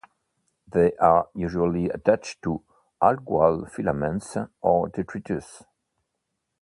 They are usually attached to algal filaments or detritus.